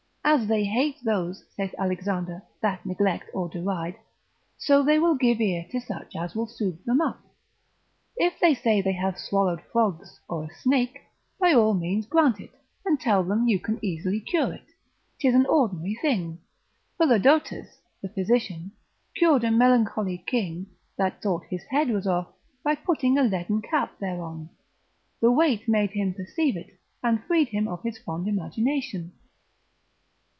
As they hate those, saith Alexander, that neglect or deride, so they will give ear to such as will soothe them up. If they say they have swallowed frogs or a snake, by all means grant it, and tell them you can easily cure it; 'tis an ordinary thing. Philodotus, the physician, cured a melancholy king, that thought his head was off, by putting a leaden cap thereon; the weight made him perceive it, and freed him of his fond imagination.